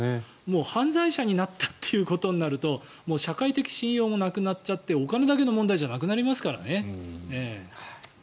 犯罪者になったということになると社会的信用もなくなっちゃってお金だけの問題じゃなくなりますからね。